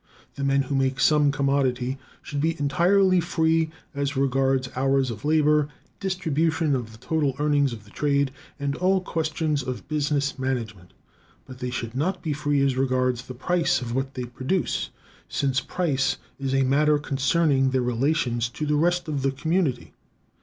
The men who make some commodity should be entirely free as regards hours of labor, distribution of the total earnings of the trade, and all questions of business management. But they should not be free as regards the price of what they produce, since price is a matter concerning their relations to the rest of the community.